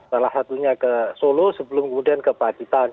salah satunya ke solo sebelum kemudian ke pak gitan